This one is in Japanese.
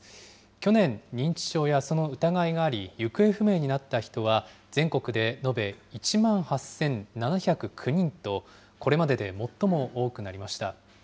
去年、認知症やその疑いがあり行方不明になった人は全国で延べ１万８７０９人と、これまでで最も多くなりました。